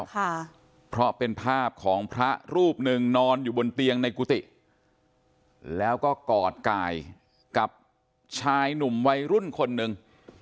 ค่ะเพราะเป็นภาพของพระรูปหนึ่งนอนอยู่บนเตียงในกุฏิแล้วก็กอดกายกับชายหนุ่มวัยรุ่นคนหนึ่ง